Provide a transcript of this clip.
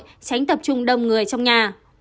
tránh tập trung đông người trong nhà